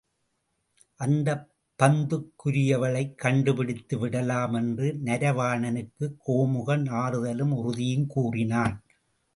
அந்தப் பந்துக்குரியவளைக் கண்டுபிடித்து விடலாமென்று நரவாணனுக்குக் கோமுகன் ஆறுதலும் உறுதியும் கூறினான்.